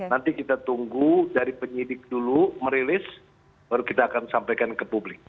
nanti kita tunggu dari penyidik dulu merilis baru kita akan sampaikan ke publik